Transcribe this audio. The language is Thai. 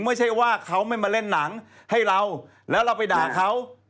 ไม่ใช่ว่าเขาไม่มาเล่นหนังให้เราแล้วเราไปด่าเขา